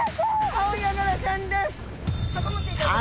アオヤガラちゃんです。